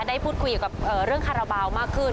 ได้พูดข่วยของเรื่องฮาราบาลมากขึ้น